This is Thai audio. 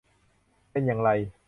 เป็นอย่างไร